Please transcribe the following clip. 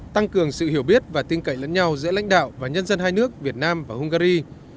tăng cường sự hiểu biết và tin cậy lẫn nhau giữa lãnh đạo và nhân dân hai nước việt nam và hungary